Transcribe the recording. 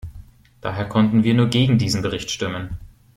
Daher konnten wir nur gegen diesen Bericht stimmen.